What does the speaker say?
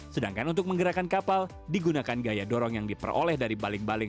sedangkan untuk menggerakkan kapal digunakan gaya dorong yang diperoleh dari baling baling